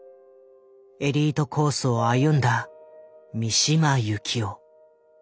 エリートコースを歩んだ三島由紀夫。